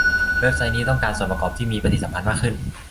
เว็บไซต์นี้ต้องการส่วนประกอบที่มีปฏิสัมพันธ์มากขึ้น